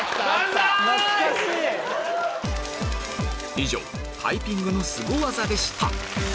以上タイピングのスゴ技でしたえ！